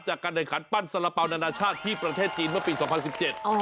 จากการแข่งขันปั้นสารเป๋านานาชาติที่ประเทศจีนเมื่อปีสองพันสิบเจ็ดอ๋อ